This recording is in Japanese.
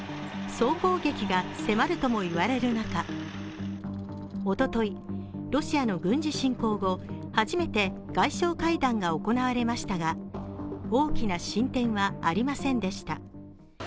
総攻撃が迫るとも言われる中おととい、ロシアの軍事侵攻後初めて外相会談が行われましたが大きな進展はありませんでした。